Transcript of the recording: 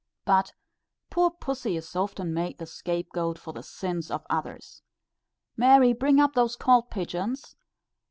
But poor pussy is often made the scape goat for the sins of others. "Mary, bring up those cold pigeons."